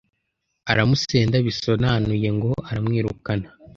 Aramusenda bisonanuye ngo aramwirukana